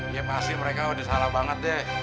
ya pasti mereka udah salah banget deh